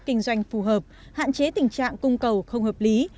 kinh doanh phù hợp hạn chế tình trạng cung cầu không hợp lý